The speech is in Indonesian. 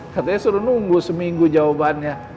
katanya suruh nunggu seminggu jawabannya